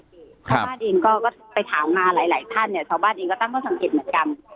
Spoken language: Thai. ชาวบ้านเองก็ไปถามมาหลายท่านเนี่ยชาวบ้านเองก็ตั้งข้อสังเกตเหมือนกัน